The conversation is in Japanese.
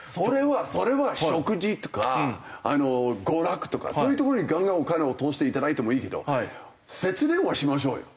それは食事とか娯楽とかそういうところにガンガンお金落としていただいてもいいけど節電はしましょうよ。